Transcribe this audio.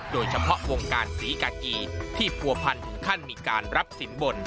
โดยเฉพาะวงการศรีกากีที่ผัวพันถึงขั้นมีการรับสินบน